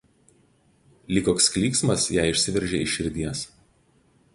Lyg koks klyksmas jai išsiveržė iš širdies